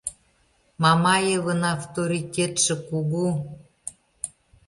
Мамаевын авторитетше кугу.